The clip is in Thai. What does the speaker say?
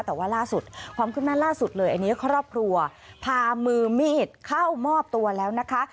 แต่ว่าล่าสุดความขึ้นหน้าล่าสุดเลยอันนี้ครอบครัวพามือมีดเข้ามอบตัวแล้วนะคะ